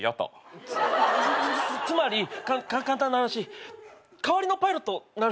つつつつつまりかか簡単な話代わりのパイロットなる